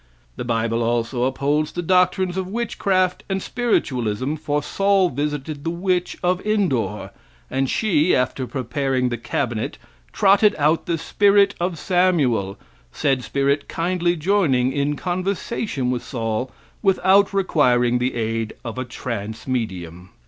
The bible also upholds the doctrines of witchcraft and spiritualism, for Saul visited the witch of Endor, and she, after preparing the cabinet, trotted out the spirit of Samuel, said spirit kindly joining in conversation with Saul, without requiring the aid of a trance medium.